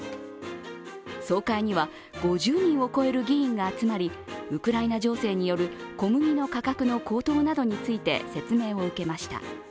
総会には５０人を超える議員が集まり、ウクライナ情勢による小麦の価格の高騰などについて説明を受けました。